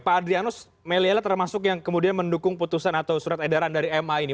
pak adrianus meliela termasuk yang kemudian mendukung putusan atau surat edaran dari ma ini